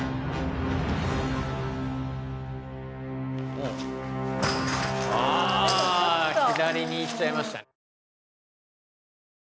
あ左に行っちゃいました。